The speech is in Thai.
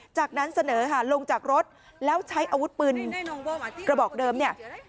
จากนั้นเสนอค่ะลงจากรถแล้วใช้อาวุธปืนกระบอกเดิมเนี่ย